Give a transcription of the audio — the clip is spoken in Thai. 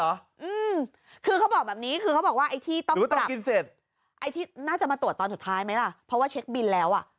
อืมคือเขาบอกแบบนี้คือเขาบอกว่าไอ้ที่ต้องกินเสร็จไอ้ที่น่าจะมาตรวจตอนสุดท้ายไหมล่ะเพราะว่าเช็คบินแล้วอ่ะ